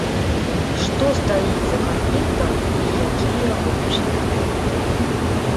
Што стаіць за канфліктам, і якія яго перспектывы?